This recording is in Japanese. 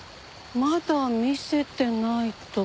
まだ見せてない所って。